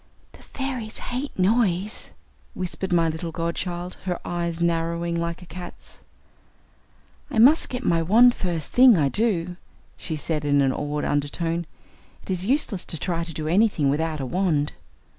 "The fairies hate noise," whispered my little godchild, her eyes narrowing like a cat's. "I must get my wand first thing I do," she said in an awed undertone. "It is useless to try to do anything without a wand."